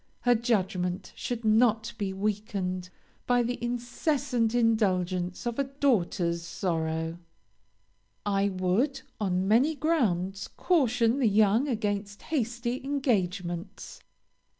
Her judgment should not be weakened by the incessant indulgence of a daughter's sorrows. "I would, on many grounds, caution the young against hasty engagements.